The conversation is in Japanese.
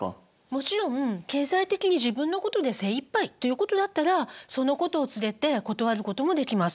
もちろん経済的に自分のことで精いっぱいということであったらそのことを告げて断ることもできます。